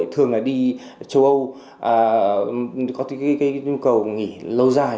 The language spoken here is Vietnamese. thường là đi châu âu có nhu cầu nghỉ lâu dài